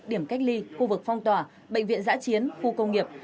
điểm cách ly khu vực phong tỏa bệnh viện giã chiến khu công nghiệp